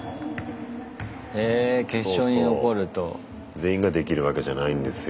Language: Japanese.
全員ができるわけじゃないんですよ。